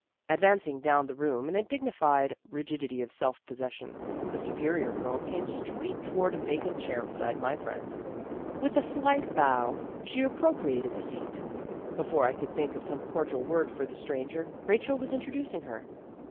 Advancing down the room in a digni fied rigidity of self possession, the Superior Girl came straight toward a vacant chair beside my friend. With a slight bow she i8o Vassar Studies appropriated the seat. Before I could think of some cordial word for the stran ger, Rachel was introducing her.